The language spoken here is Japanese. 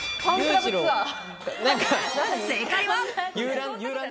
正解は。